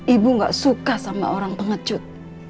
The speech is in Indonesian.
ibu gak suka sama orang pengecut